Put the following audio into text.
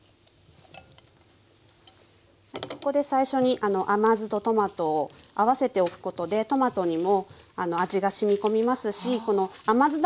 ここで最初に甘酢とトマトを合わせておくことでトマトにも味がしみ込みますし甘酢